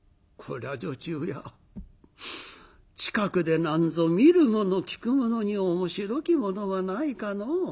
蔵女中や近くでなんぞ見るもの聴くものに面白きものはないかのう？」。